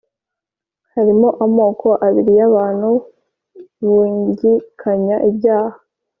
Hari amoko abiri y’abantu bungikanya ibyaha,